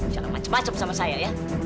jangan macem macem sama saya ya